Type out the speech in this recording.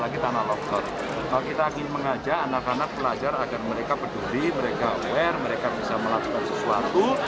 kalau kita ingin mengajak anak anak pelajar agar mereka peduli mereka aware mereka bisa melakukan sesuatu